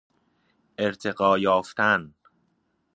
ارتقا یافتن